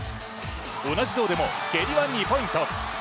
同じ胴でも蹴りは２ポイント。